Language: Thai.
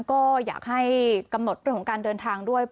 ก็อยากให้กำหนดเรื่องของการเดินทางด้วย